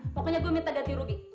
pokoknya gue minta ganti rugi